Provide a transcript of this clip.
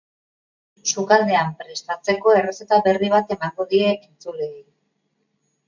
Sukaldean prestatezko errezeta berri bat emango die entzuleei.